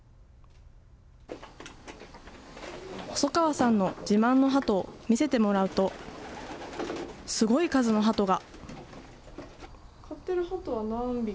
細川さんの自慢のハトを見せてもらうと、すごい数のハトが。